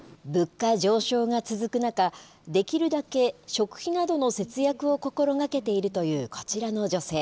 物価上昇が続く中、できるだけ食費などの節約を心がけているというこちらの女性。